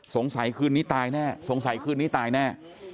คืนนี้ตายแน่สงสัยคืนนี้ตายแน่